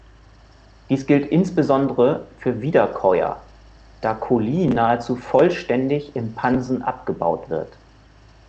Dies gilt insbesondere für Wiederkäuer, da Cholin nahezu vollständig im Pansen abgebaut wird.